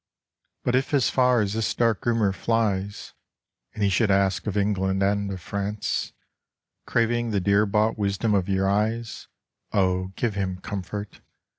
But if as far as this dark rumor flies, And he should ask of England and of France, Craving the dear bought wisdom of your eyes, Oh, give him comfort